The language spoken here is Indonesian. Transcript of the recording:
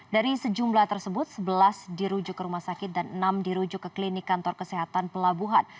dari sejumlah tersebut sebelas dirujuk ke rumah sakit dan enam dirujuk ke klinik kantor kesehatan pelabuhan